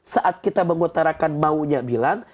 saat kita mengutarakan maunya bilang